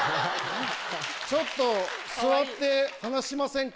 ちょっと座って話しませんか？